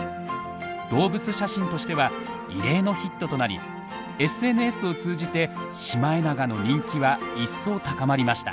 動物写真としては異例のヒットとなりＳＮＳを通じてシマエナガの人気は一層高まりました。